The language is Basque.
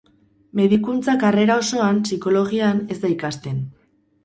Medikuntza karrera osoan, psikologian, ez da ikasten.